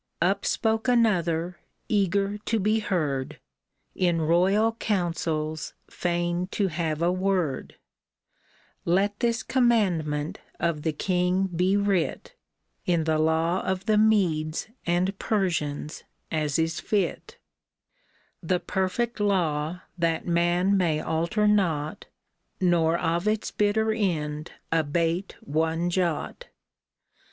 Up spoke another, eager to be heard, In royal councils fain to have a word, —*' Let this commandment of the king be writ, In the law of the Medes and Persians, as is fit, — The perfect law that man may alter not Nor of its bitter end abate one jot."